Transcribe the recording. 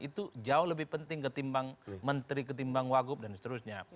itu jauh lebih penting ketimbang menteri ketimbang wagub dan seterusnya